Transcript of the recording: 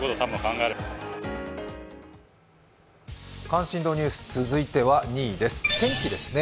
「関心度ニュース」、続いて２位の天気です。